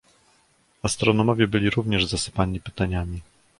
"Astronomowie byli również zasypani pytaniami."